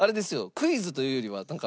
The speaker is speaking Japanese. クイズというよりはなんか。